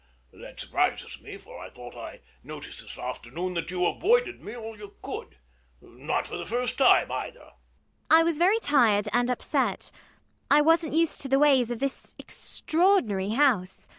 That surprises me; for I thought I noticed this afternoon that you avoided me all you could. Not for the first time either. ELLIE. I was very tired and upset. I wasn't used to the ways of this extraordinary house.